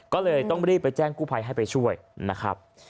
ก็เลยต้องรีบไปแจ้งกู้ภัยให้ไปช่วยนะครับ